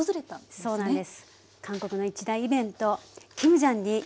そうなんです。